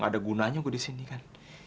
gak ada gunanya gue disini kan